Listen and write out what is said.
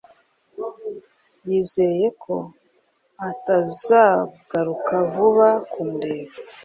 yizeye ko atazagaruka vuba kumureba